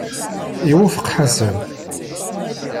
Iwufeq Ḥasan.